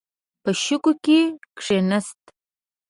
په شګو کې کښیناست.